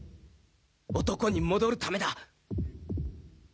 男に戻るためだ！